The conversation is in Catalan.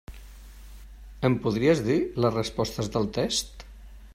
Em podries dir les respostes del test?